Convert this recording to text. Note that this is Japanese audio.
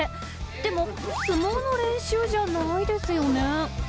でも、相撲の練習じゃないですよね。